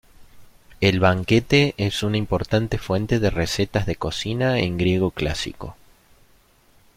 El "Banquete" es una importante fuente de recetas de cocina en griego clásico.